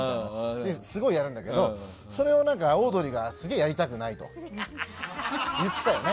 すごいやるんだけどそれをオードリーがすげえやりたくないと言ってたよね？